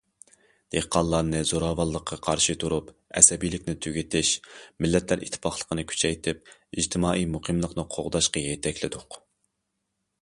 دېھقانلارنى زوراۋانلىققا قارشى تۇرۇپ، ئەسەبىيلىكنى تۈگىتىش، مىللەتلەر ئىتتىپاقلىقىنى كۈچەيتىپ، ئىجتىمائىي مۇقىملىقنى قوغداشقا يېتەكلىدۇق.